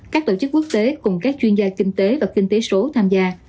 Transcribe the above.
các tổ chức quốc tế cùng các chuyên gia kinh tế và kinh tế số tham gia